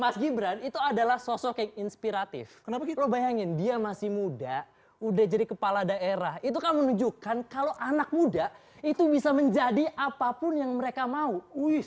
mas ghibran mas ghibran itu adalah sosok yang inspiratif lo bayangin dia masih muda udah jadi kepala daerah itu kan menunjukkan kalau anak muda itu bisa menjadi apapun yang menyebabkannya ibu